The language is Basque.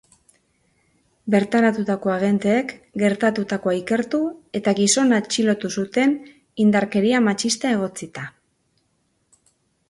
Bertaratutako agenteek gertatutakoa ikertu eta gizona atxilotu zuten, indarkeria matxista egotzita.